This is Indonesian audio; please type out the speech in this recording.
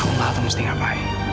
aku nggak tahu mesti ngapain